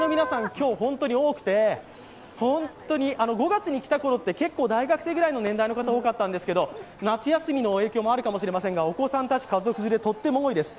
今日、本当に多くて５月に来たころって大学生ぐらいの年代の方が多かったんですけど夏休みの影響もあるかもしれませんが、お子さんたち、家族連れとっても多いです。